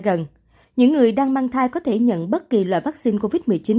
trong tương lai gần những người đang mang thai có thể nhận bất kỳ loại vắc xin covid một mươi chín